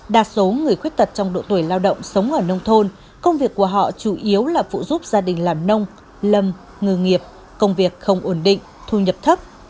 đa số người khuyết tật trong độ tuổi lao động sống ở nông thôn công việc của họ chủ yếu là phụ giúp gia đình làm nông lâm ngư nghiệp công việc không ổn định thu nhập thấp